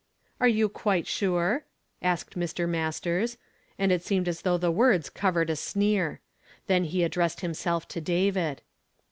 "Are you quite sure?" asked Mr. Masters; and it seemed as though the words covered a sneer. Then he addressed himself to David.